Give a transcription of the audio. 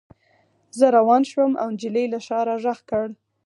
زه روان شوم او نجلۍ له شا را غږ کړ